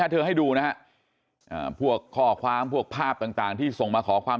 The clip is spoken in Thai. เธอให้ดูนะฮะพวกข้อความพวกภาพต่างที่ส่งมาขอความ